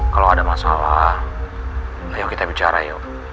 kalau ada masalah ayo kita bicara yuk